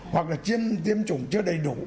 hoặc là tiêm chủng chưa đầy đủ